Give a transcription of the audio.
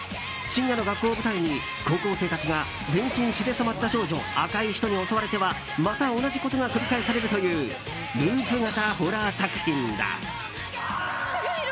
深夜の学校を舞台に高校生たちが全身血で染まった少女赤い人に襲われてはまた同じことが繰り返されるというループ型ホラー作品だ。